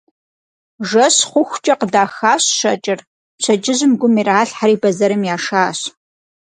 Жэщ хъухукӀэ къыдахащ щэкӀыр, пщэдджыжьым гум иралъхьэри бэзэрым яшащ.